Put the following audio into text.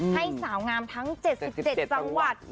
ให้สาวงามทั้ง๗๗จังหวัด